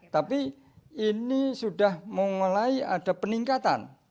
tapi ini sudah mulai ada peningkatan